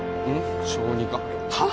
小児科はッ！？